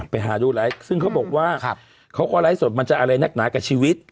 ไปดูไลฟ์ซึ่งเขาบอกว่าเขาก็ไลฟ์สดมันจะอะไรนักหนากับชีวิต